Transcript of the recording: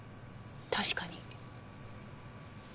確かに。